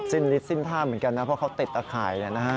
สิ้นท่าเหมือนกันนะเพราะเขาติดตาข่ายเนี่ยนะฮะ